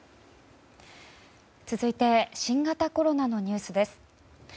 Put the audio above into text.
続いて新型コロナのニュースです。